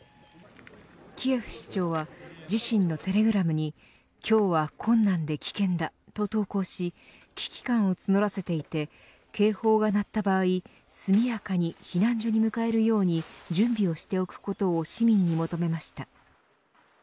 キエフ市長は自身のテレグラムに今日は困難で危険だと投稿し危機感を募らせていて警報が鳴った場合、速やかに避難所に向かえるように準備をしておくことを市民に求めました。